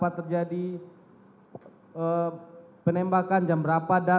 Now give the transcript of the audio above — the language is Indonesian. ada jabatan pdi